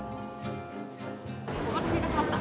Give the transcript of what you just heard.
お待たせいたしました。